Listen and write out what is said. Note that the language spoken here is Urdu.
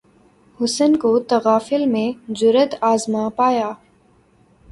حسن کو تغافل میں جرأت آزما پایا